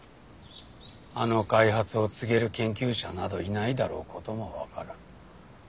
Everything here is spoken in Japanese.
あの開発を継げる研究者などいないだろう事もわかる。